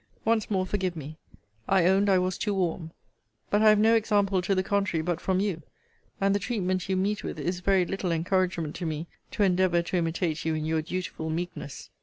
Once more forgive me. I owned I was too warm. But I have no example to the contrary but from you: and the treatment you meet with is very little encouragement to me to endeavour to imitate you in your dutiful meekness.